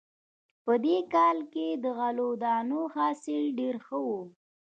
په دې کال کې د غلو دانو حاصل ډېر ښه و